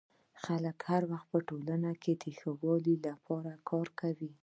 خلک هر وخت په ټولنه کي د ښه والي لپاره کار کوي.